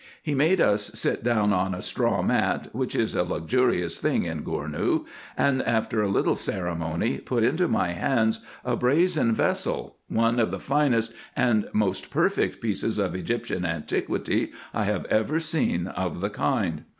He made us sit down on a straw mat, which is a luxurious thing in Gournou, and after a little ceremony, put into my hands a brazen vessel, one of the finest and most perfect pieces of Egyptian antiquity I have ever seen of the kind.